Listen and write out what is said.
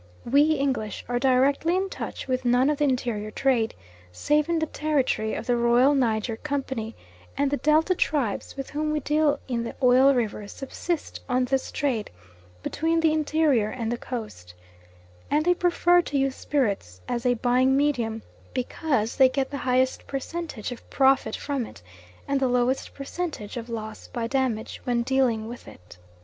We English are directly in touch with none of the interior trade save in the territory of the Royal Niger Company, and the Delta tribes with whom we deal in the Oil Rivers subsist on this trade between the interior and the Coast, and they prefer to use spirits as a buying medium because they get the highest percentage of profit from it, and the lowest percentage of loss by damage when dealing with it.